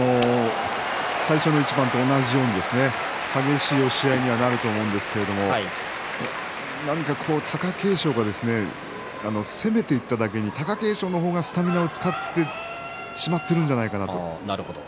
最初の一番と同じように激しい押し合いになると思うんですけれど何か貴景勝が攻めていっただけに貴景勝の方がスタミナを使ってしまっているんじゃないかなと。